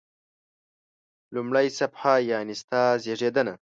لومړی صفحه: یعنی ستا زیږېدنه.